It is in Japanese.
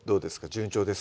順調ですか？